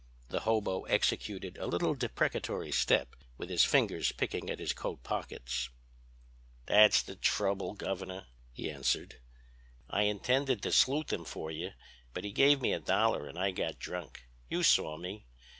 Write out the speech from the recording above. "The hobo executed a little deprecatory step, with his fingers picking at his coat pockets. "'That's the trouble, Governor,' he answered; 'I intended to sleuth him for you, but he gave me a dollar and I got drunk... you saw me.